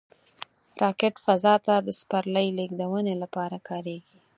راکټ فضا ته د سپرلي لیږدونې لپاره کارېږي